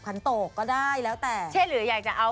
ขันโตกก็ได้แล้วแต่ใช่หรืออยากจะเอา